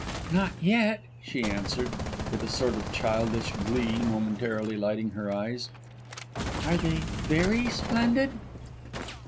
"Not yet," she answered, with a sort of childish glee momentarily lighting her eyes. "Are they very splendid?"